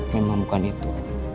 memang bukan itu